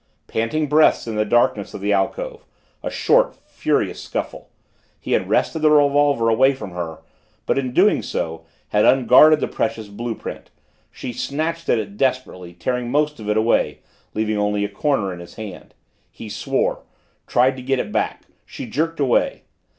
Panting breaths in the darkness of the alcove a short, furious scuffle he had wrested the revolver away from her, but in doing so had unguarded the precious blue print she snatched at it desperately, tearing most of it away, leaving only a corner in his hand. He swore tried to get it back she jerked away.